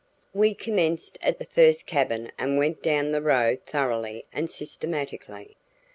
We commenced at the first cabin and went down the row thoroughly and systematically.